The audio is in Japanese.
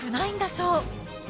そう